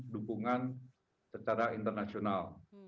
dukungan secara internasional